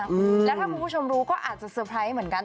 อืมแล้วถ้าคุณผู้ชมรู้ก็อาจจะเตอร์ไพรส์เหมือนกัน